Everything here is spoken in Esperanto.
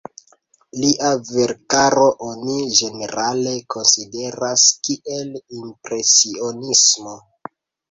Lia verkaro oni ĝenerale konsideras kiel impresionismo.